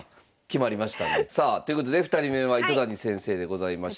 さあということで２人目は糸谷先生でございました。